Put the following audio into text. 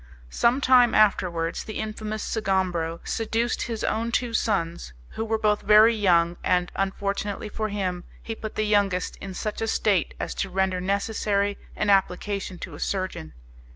Some time afterwards the infamous Sgombro seduced his own two sons, who were both very young, and, unfortunately for him, he put the youngest in such a state as to render necessary an application to a surgeon.